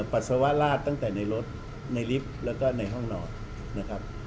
ปัสสาวะลาดตั้งแต่ในรถในลิฟต์แล้วก็ในห้องนอนนะครับ